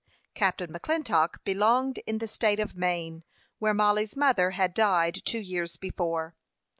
Captain McClintock belonged in the State of Maine, where Mollie's mother had died two years before.